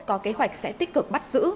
có kế hoạch sẽ tích cực bắt giữ